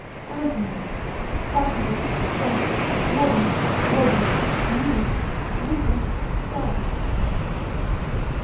Antonyms: fashionable, fresh, modern, modish, new, recent, stylish.